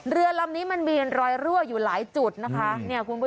เรือลำนี้มันมีรอยรั่วอยู่หลายจุดนะคะ